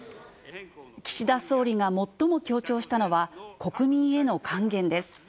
岸田総理が最も強調したのは、国民への還元です。